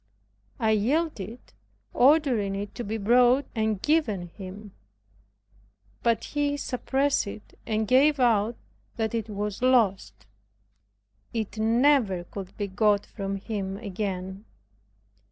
I yielded, ordering it to be brought and given him. But he suppressed it, and gave out that it was lost. It never could be got from him again.